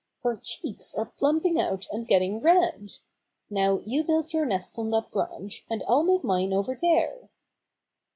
Her cheeks are plumping out and getting red. Now you build your nest on that branch, and I'll make mine over there."